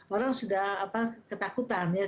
orang sudah ketakutan ya